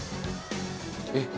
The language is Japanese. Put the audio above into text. えっ？何？